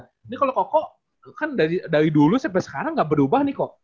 ini kalau koko kan dari dulu sampai sekarang nggak berubah nih kok